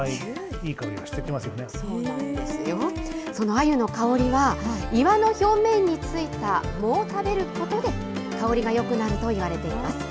あゆの香りは、岩の表面についた藻を食べることで、香りがよくなるといわれています。